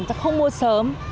chắc không mua sớm